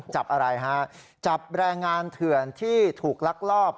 จับอะไรฮะจับแรงงานเถื่อนที่ถูกลักลอบ